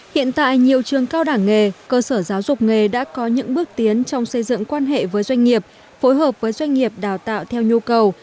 hiện tại nhiều trường cao đảng nghề cơ sở giáo dục nghề đã có những bước tiến trong xây dựng quan hệ với doanh nghiệp phối hợp với doanh nghiệp đào tạo theo nhu cầu